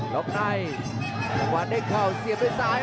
ล็อกในลงมาเล็กเข้าเสียด้วยซ้าย